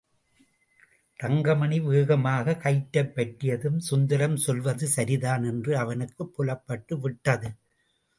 தங்கமணி வேகமாகக் கயிற்றைப் பற்றியதும் சுந்தரம் சொல்வது சரிதான் என்று அவனுக்குப் புலப்பட்டு விட்டது.